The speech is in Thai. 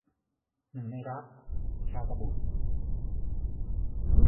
หนึ่งในรัก - ชาตบุษย์